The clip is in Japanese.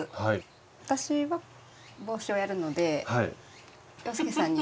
私は帽子をやるので洋輔さんに。